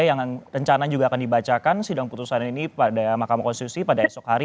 yang rencana juga akan dibacakan sidang putusan ini pada mahkamah konstitusi pada esok hari